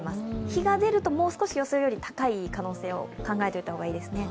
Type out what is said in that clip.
日が出ると予想より高い可能性を考えておいた方がいいですね。